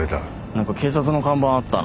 何か警察の看板あったな。